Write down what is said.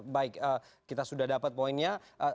baik kita sudah dapat poinnya